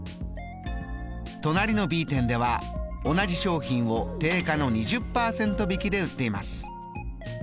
隣のＢ店では同じ商品を定価の２０％引きで売っています。